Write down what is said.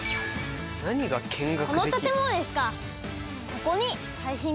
この建物ですか。